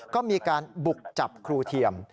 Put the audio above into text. ก็มีการบุกจับครูเทียม